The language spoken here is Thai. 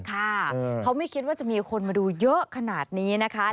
เขาไม่คิดว่าจะมีคนมาดูเยอะขนาดนี้นะคะ